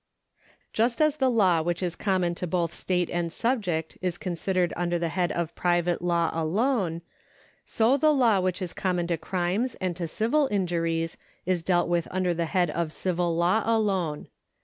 Just as the law which is common to both state and subject is considered under the head of private law alone, so the law which is common to crimes and to civil injuries is dealt with under the head of civil law alone.